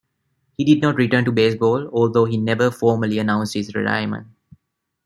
He did not return to baseball, although he never formally announced his retirement.